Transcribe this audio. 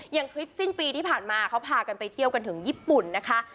ทริปสิ้นปีที่ผ่านมาเขาพากันไปเที่ยวกันถึงญี่ปุ่นนะคะ